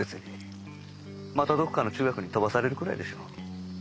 またどっかの中学に飛ばされるくらいでしょう。